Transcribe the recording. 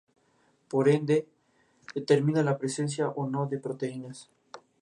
Por ende determina la presencia o no de proteínas.